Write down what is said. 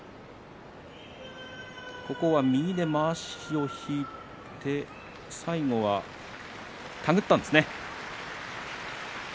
右でまわしを引いて最後は手繰ったんですね。